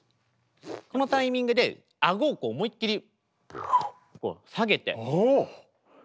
このタイミングであごを思いっきり下げて。